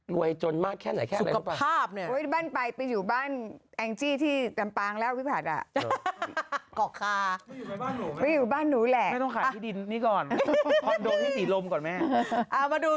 รวยจนมากแค่ไหนแค่อะไรสุขภาพเนี่ยโอ้ยบ้านไปไปอยู่บ้านแอนกจี้ที่กำปางแล้วพี่ผัดอะ